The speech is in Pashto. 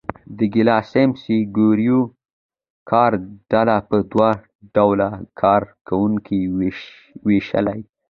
ډوګلاس اېم سي ګرېګور کاري ډله په دوه ډوله کار کوونکو وېشلې.